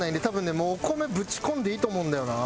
もうお米ぶち込んでいいと思うんだよな。